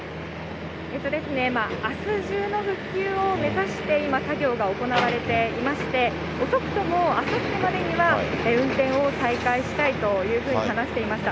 あす中の復旧を目指して今、作業が行われていまして、遅くともあさってまでには運転を再開したいというふうに話していました。